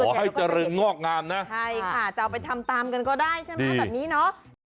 ให้เจริญงอกงามนะใช่ค่ะจะเอาไปทำตามกันก็ได้ใช่ไหมแบบนี้เนาะ